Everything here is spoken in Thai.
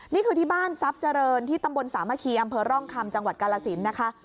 นี่คือที่บ้านทรัพย์เจริญที่ตำบลสามะคีอำเภอร่องคำจังหวัดกาลสินนะคะ